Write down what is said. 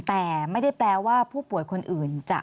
แต่ไม่ได้แปลว่าผู้ป่วยคนอื่นจะ